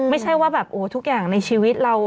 ไม่ใช่ว่าแบบโอ้ทุกอย่างในชีวิตเรา